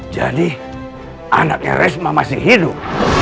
jadi anaknya resma masih hidup